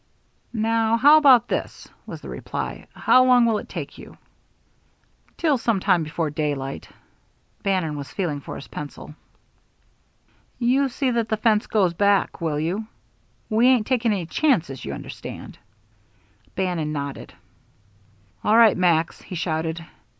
"Now, how about this?" was the reply. "How long will it take you?" "Till some time before daylight." Bannon was feeling for his pencil. "You see that the fence goes back, will you? We ain't taking any chances, you understand." Bannon nodded. "All right, Max," he shouted.